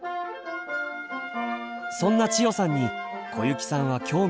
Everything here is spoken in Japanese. そんな千代さんに小雪さんは興味津々。